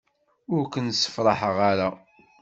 Ur ken-sefṛaḥeɣ ara.